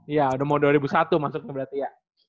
iya udah mau dua ribu satu maksudnya berarti ya